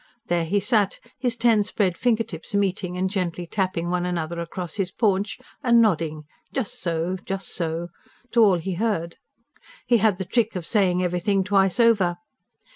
There he sat, his ten spread finger tips meeting and gently tapping one another across his paunch, and nodding: "Just so, just so!" to all he heard. He had the trick of saying everything twice over.